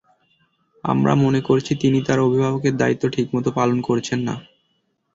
আমরা মনে করছি, তিনি তাঁর অভিভাবকের দায়িত্ব ঠিকমতো পালন করছেন না।